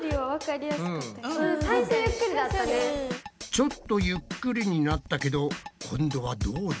ちょっとゆっくりになったけど今度はどうだ？